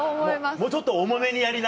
もうちょっと重めにやりな。